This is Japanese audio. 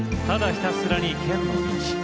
ただひたすらに剣の道。